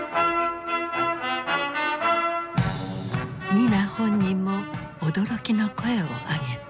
ニナ本人も驚きの声を上げた。